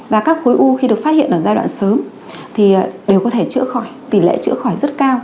và các khối u khi được phát hiện ở giai đoạn sớm thì đều có thể chữa khỏi tỷ lệ chữa khỏi rất cao